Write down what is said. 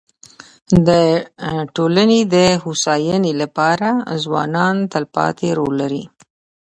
د ټولني د هوسايني لپاره ځوانان تلپاتي رول لري.